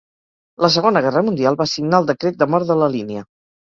La Segona Guerra Mundial va signar el decret de mort de la línia.